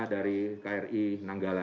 dari kri nanggala